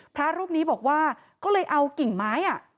พระรูปนี้บอกว่าก็เลยเอากิ่งไม้